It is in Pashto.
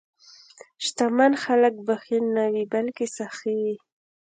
شتمن خلک بخیل نه وي، بلکې سخي وي.